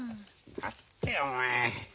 だってお前。